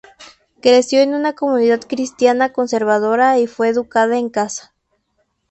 Creció en una comunidad cristiana conservadora y fue educada en casa.